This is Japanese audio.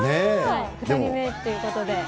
２人目ということで。